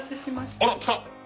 あら来た。